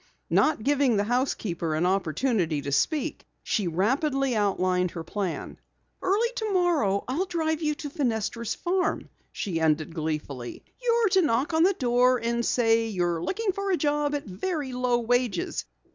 Not giving the housekeeper an opportunity to speak, she rapidly outlined her plan. "Early tomorrow morning I'll drive you to Fenestra's farm," she ended gleefully. "You're to knock on the door, and say you're looking for a job at very low wages.